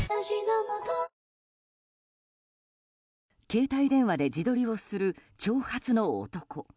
携帯電話で自撮りをする長髪の男。